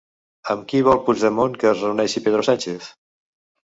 Amb qui vol Puigdemont que es reuneixi Pedro Sánchez?